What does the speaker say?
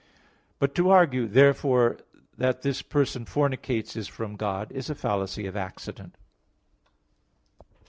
But to argue, "Therefore that this person fornicates is from God", is a fallacy of Accident.